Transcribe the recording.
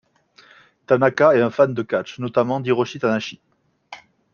Tanaka est un fan de catch notamment d'Hiroshi Tanahashi.